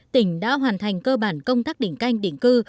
tỉnh đã hoàn thành cơ bản công tác đỉnh canh đỉnh cư